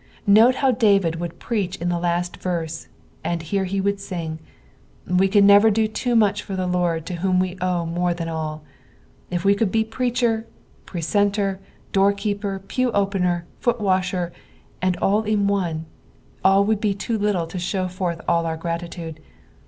Note how David would preach in the laat verse, and now here he would sing. We can never do too much for the Lord to whom we owe more than all. If we could be preacher, precentor, doorkeeper, pewopencr, foot washer, and all in one, all would be too little to ahow forth all our gratitude.